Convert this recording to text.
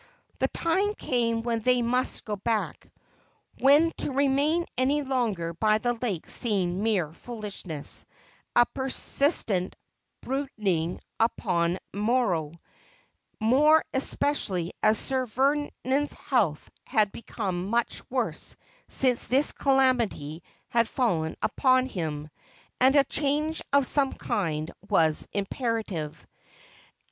The time came when they must go back, when to remain any longer by the lake seemed mere foolishness, a persistent brood ing upon sorrow ; more especially as Sir Vernon's health had become much worse since this calamity had fallen upon him, and a change of some kind was imperative.